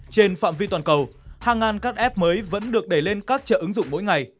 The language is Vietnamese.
trên phạm vi toàn cầu hàng ngàn các app mới vẫn được đẩy lên các chợ ứng dụng mỗi ngày